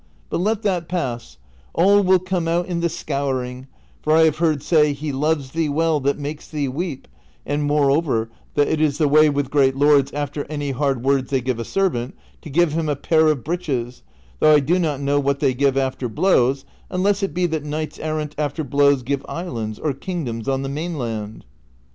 But let that pass ; all will come out in the scouring ;^ for I have heard say ' he loves thee well that makes thee weep ;''^ and moreover that it is the way with great lords after any hard words they give a servant to give him a pair of breeches ; though I do not know what they give after blows , unless it be that knights errant after blows give islands, or kingdoms on the mainland."